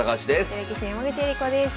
女流棋士の山口恵梨子です。